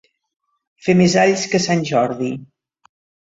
Fer més alls que sant Jordi.